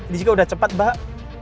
di sini udah cepat mbak